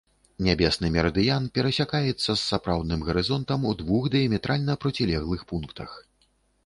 Нябесны мерыдыян перасякаецца з сапраўдным гарызонтам у двух дыяметральна процілеглых пунктах.